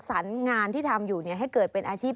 สรรงานที่ทำให้เกิดอาชีพ